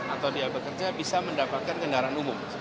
atau dia bekerja bisa mendapatkan kendaraan umum